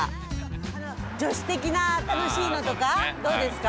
女子的な楽しいのとかどうですか？